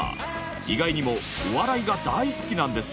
意外にもお笑いが大好きなんです。